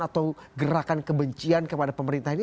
atau gerakan kebencian kepada pemerintah ini